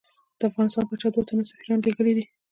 د افغانستان پاچا دوه تنه سفیران لېږلی دي.